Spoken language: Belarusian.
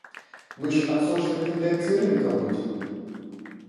Мы ж адсочваць тэндэнцыі рынка будзем.